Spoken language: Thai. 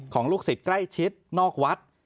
ลูกศิษย์ใกล้ชิดนอกวัด